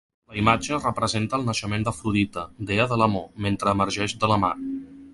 La imatge representa el naixement d'Afrodita, dea de l'amor, mentre emergeix de la mar.